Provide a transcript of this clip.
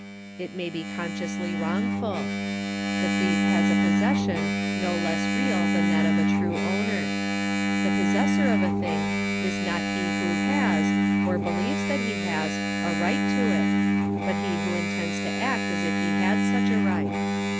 It may be consciously wrongful. The thief has a possession no less real than that of a true owner. The possessor of a thing is not he who has, or believes that he has, a right to it, but he who intends to act as if he had such a right.